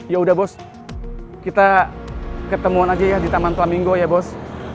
yaudah bos kita ketemuan aja ya di taman flamingo ya bos